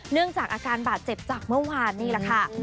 เนื่องจากอาการบาดเจ็บจากเมื่อวานนี่แหละค่ะ